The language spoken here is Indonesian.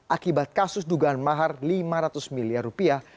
akibat kasus dugaan mahar lima ratus miliar rupiah